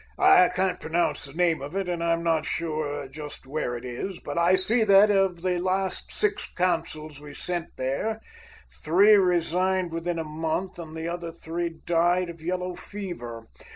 I can't pronounce the name of it, and I'm not sure just where it is, but I see that, of the last six consuls we sent there, three resigned within a month and the other three died of yellow fever.